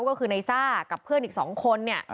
ก็คือในซ่ากับเพื่อนอีก๒คนเนี่ย